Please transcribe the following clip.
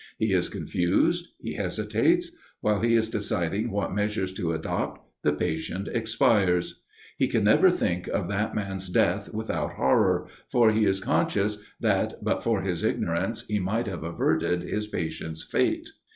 He is confused; he hesitates: while he is deciding what measures to adopt, the patient expires: he can never think of that man's death without horror, for he is conscious that, but for his ignorance, he might have averted his patient's fate.